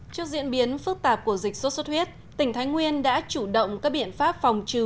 trước diễn biến phức tạp của dịch sốt xuất huyết tỉnh thái nguyên đã chủ động các biện pháp phòng trừ